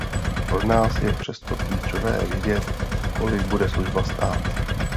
Pro nás je přesto klíčové vědět, kolik bude služba stát.